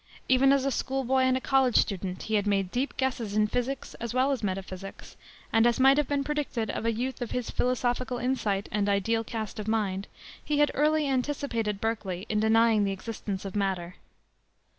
Even as a school boy and a college student he had made deep guesses in physics as well as metaphysics, and, as might have been predicted of a youth of his philosophical insight and ideal cast of mind, he had early anticipated Berkeley in denying the existence of matter.